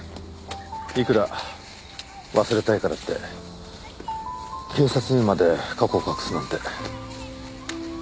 いくら忘れたいからって警察にまで過去を隠すなんて。